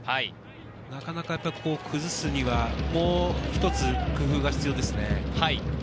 なかなか崩すにはもう一つ工夫が必要ですね。